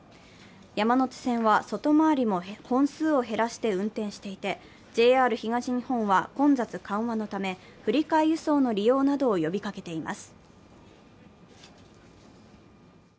山手線は外回りも本数を減らして運転していて、ＪＲ東日本は、混雑緩和のため振り替え輸送の利用などを呼びかけています。